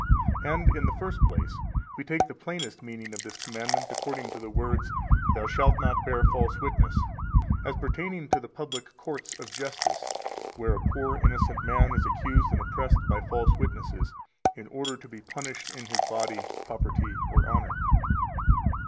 257 And in the first place, we take the plainest meaning of this commandment according to the words (Thou shalt not bear false witness), as pertaining to the public courts of justice, where a poor innocent man is accused and oppressed by false witnesses in order to be punished in his body, property, or honor.